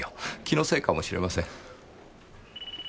気のせいかもしれません。